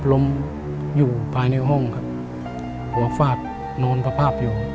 ล้มอยู่ภายในห้องครับหัวฟาดนอนสภาพอยู่